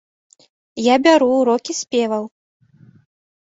Я бяру ўрокі спеваў.